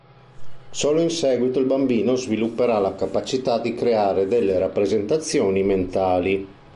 Solo in seguito il bambino svilupperà la capacità di creare delle rappresentazioni mentali.